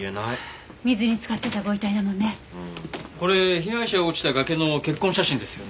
これ被害者が落ちた崖の血痕写真ですよね？